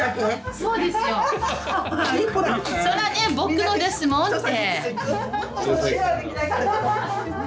それはね僕のですもんって。